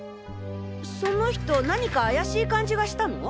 その人何か怪しい感じがしたの？